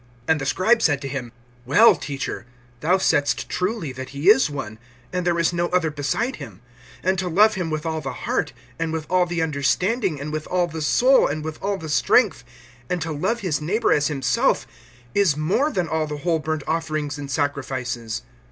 (32)And the scribe said to him: Well, Teacher; thou saidst truly that he is one, and there is no other beside him; (33)and to love him with all the heart, and with all the understanding, and with all the soul, and with all the strength, and to love his neighbor as himself, is more than all the whole burnt offerings and sacrifices.